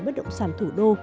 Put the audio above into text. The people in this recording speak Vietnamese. bất động sản thủ đô